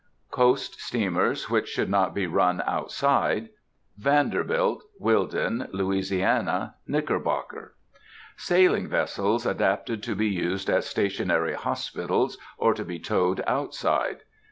Coast Steamers which should not be run outside. Vanderbilt, Whilldin, Louisiana, Knickerbocker. _Sailing vessels adapted to be used as Stationary Hospitals, or to be towed outside.